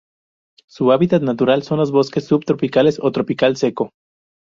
Su hábitat natural son los bosques subtropicales o tropical seco.